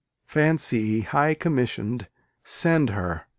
Fancy, high commission'd: send her!